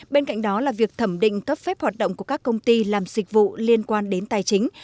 bên cạnh đó là việc thẩm định cấp phép hoạt động của các công ty làm dịch vụ liên quan đến tài chính